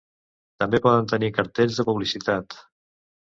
També poden tenir cartells de publicitat.